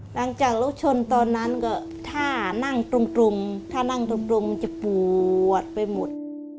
หลังจากรถชนตอนนั้นก็ถ้านั่งตรงถ้านั่งตรงจะปวดไปหมด